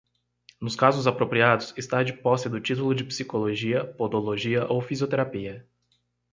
Nos casos apropriados, estar de posse do título de Psicologia, Podologia ou Fisioterapia.